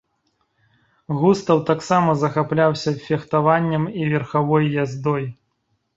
Густаў таксама захапляўся фехтаваннем і верхавой яздой.